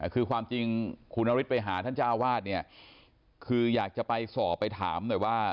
คือความจริงคุณนฤทธิไปหาท่านเจ้าวาดเนี่ยคืออยากจะไปสอบไปถามหน่อยว่า